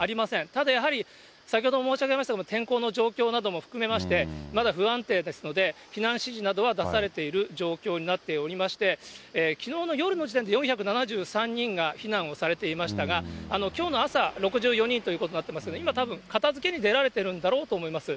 ただやはり、先ほども申し上げましたけども、天候の状況なども含めまして、まだ不安定ですので、避難指示などは出されている状況になっておりまして、きのうの夜の時点で４７３人が避難をされていましたが、きょうの朝、６４人ということになってますけど、今たぶん、片づけに出られてるんだろうと思います。